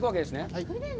はい。